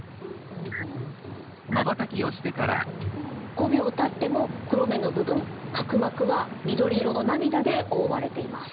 ５秒たっても黒目の部分角膜は緑色の涙で覆われています。